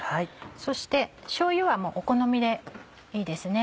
そしてしょうゆはお好みでいいですね。